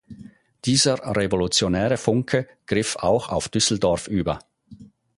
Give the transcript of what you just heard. Dieser revolutionäre Funke griff auch auf Düsseldorf über.